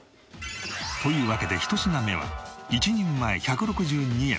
というわけで１品目は１人前１６２円